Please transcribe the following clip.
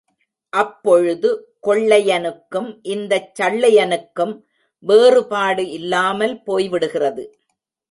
அப்பொழுது கொள்ளையனுக்கும் இந்தச் சள்ளையனுக்கும் வேறுபாடு இல்லாமல் போய்விடுகிறது.